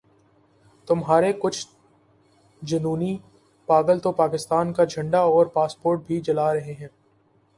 تمہارے کچھ جنونی پاگل تو پاکستان کا جھنڈا اور پاسپورٹ بھی جلا رہے ہیں۔